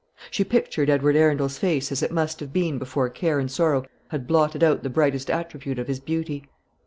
She pictured Edward Arundel's face as it must have been before care and sorrow had blotted out the brightest attribute of his beauty.